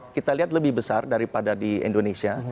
kita lihat lebih besar daripada di indonesia